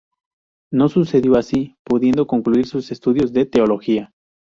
No sucedió así, pudiendo concluir sus estudios de teología.